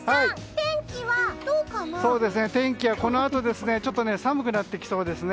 天気は、このあと寒くなってきそうですね。